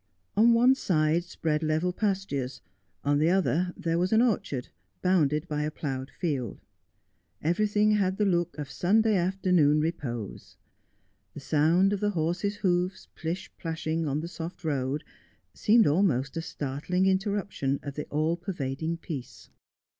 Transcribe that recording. On one side spread level pastures, on the other there was an orchard, bounded by a ploughed field. Everything had a look of Sunday afternoon repose. The sound of the horse's hoofs plish plashing on the soft road seemed almost a startling interruption nf the all pervading peace.